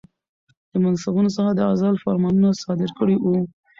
د منصبونو څخه د عزل فرمانونه صادر کړي ؤ